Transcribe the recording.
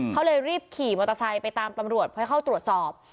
เขาเลยรีบขี่มอเตอร์ไซค์ไปตามตำรวจเพื่อเข้าตรวจสอบ